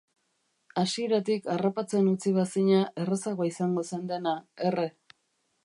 Hasieratik harrapatzen utzi bazina errazagoa izango zen dena, Erre.